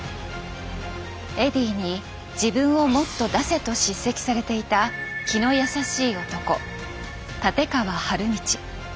エディーに自分をもっと出せと叱責されていた気の優しい男立川理道。